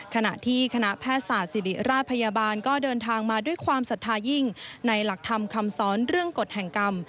ขณะที่คณะแพทยศาสตร์ศิริราชพยาบาลก็เดินทางมาด้วยความศรัทธายิ่งในหลักธรรมคำสอนเรื่องกฎแห่งกรรม